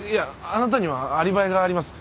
あなたにはアリバイがあります。